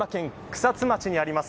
草津町にあります